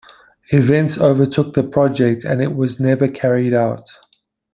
Events overtook the project and it was never carried out.